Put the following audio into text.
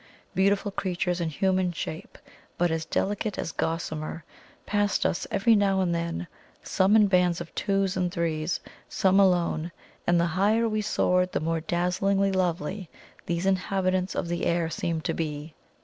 Beautiful creatures in human shape, but as delicate as gossamer, passed us every now and then, some in bands of twos and threes, some alone; and the higher we soared the more dazzlingly lovely these inhabitants of the air seemed to be.